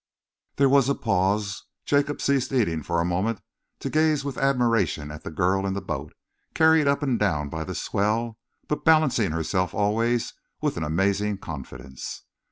There was a pause. Jacob ceased eating for a moment to gaze with admiration at the girl in the boat, carried up and down by the swell, but balancing herself always with an amazing confidence.